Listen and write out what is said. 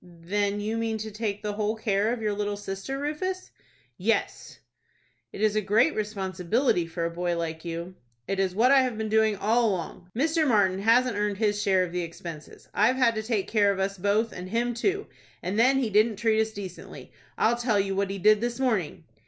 "Then you mean to take the whole care of your little sister, Rufus?" "Yes." "It is a great responsibility for a boy like you." "It is what I have been doing all along. Mr. Martin hasn't earned his share of the expenses. I've had to take care of us both, and him too, and then he didn't treat us decently. I'll tell you what he did this morning."